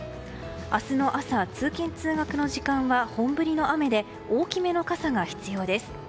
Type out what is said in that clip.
明日の朝、通勤・通学の時間は本降りの雨で大きめの傘が必要です。